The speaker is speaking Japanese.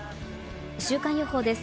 週間予報です。